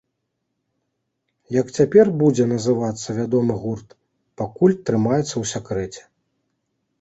Як цяпер будзе называцца вядомы гурт, пакуль трымаецца ў сакрэце.